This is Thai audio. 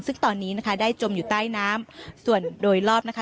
ซึ่งตอนนี้นะคะได้จมอยู่ใต้น้ำส่วนโดยรอบนะคะ